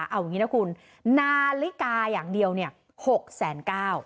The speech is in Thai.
เอาอย่างนี้นะคุณนาฬิกาอย่างเดียว๖๙แสน